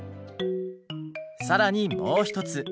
更にもう一つ。